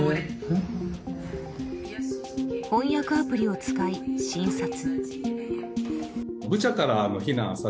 翻訳アプリを使い、診察。